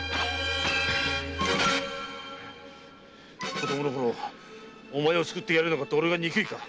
子供のころおまえを救ってやれなかった俺が憎いか？